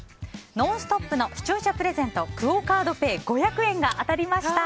「ノンストップ！」の視聴者プレゼントクオ・カードペイ５００円が当たりました。